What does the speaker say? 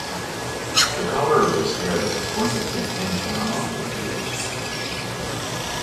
The color of his hair is a point of contention among readers.